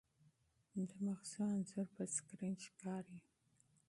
د مغزو انځور په سکرین ښکاري.